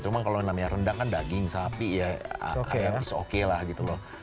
cuma kalau namanya rendang kan daging sapi ya harus oke lah gitu loh